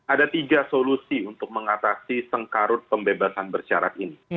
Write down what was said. ada tiga solusi untuk mengatasi sengkarut pembebasan bersyarat ini